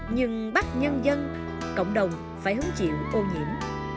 nhưng bắt nhân dân cộng đồng phải hứng chịu ô nhiễm